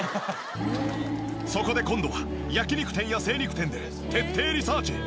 そこで今度は焼肉店や精肉店で徹底リサーチ。